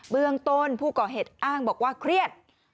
เรื่องต้นผู้ก่อเหตุอ้างบอกว่าเครียด